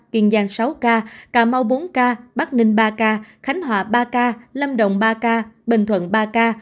kiên giang sáu ca cà mau bốn ca bắc ninh ba ca khánh hòa ba ca lâm đồng ba ca bình thuận ba ca